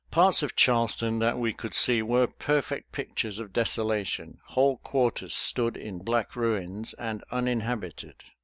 Parts of Charleston that we could see were perfect pictures of desolation; whole quarters stood in black ruins and uninhabited.